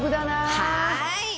はい。